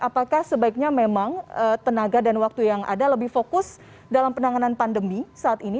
apakah sebaiknya memang tenaga dan waktu yang ada lebih fokus dalam penanganan pandemi saat ini